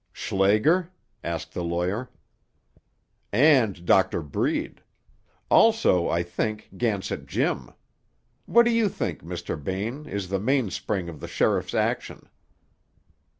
"Schlager?" asked the lawyer. "And Doctor Breed. Also, I think, Gansett Jim. What do you think, Mr. Bain, is the mainspring of the sheriff's action?"